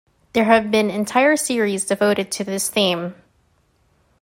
There have been entire series devoted to this theme.